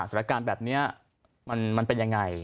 สถานการณ์แบบนี้มันเป็นยังไง